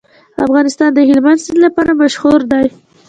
افغانستان د هلمند سیند لپاره مشهور دی.